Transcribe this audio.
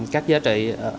các giá trị